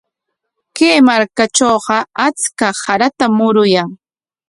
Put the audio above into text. Kay markatrawqa achka saratam muruyan.